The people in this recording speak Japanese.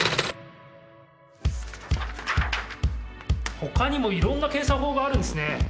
ほかにもいろんな検査法があるんですね。